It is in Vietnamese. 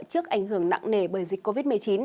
trước ảnh hưởng nặng nề bởi dịch covid một mươi chín